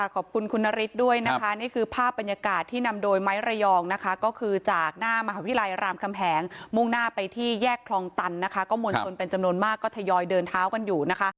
ขอบคุณคุณนฤทธิ์ด้วยนะคะนี่คือภาพบรรยากาศที่นำโดยไม้ระยองนะคะก็คือจากหน้ามหาวิทยาลัยรามคำแหงมุ่งหน้าไปที่แยกคลองตันนะคะก็มวลชนเป็นจำนวนมากก็ทยอยเดินเท้ากันอยู่นะคะ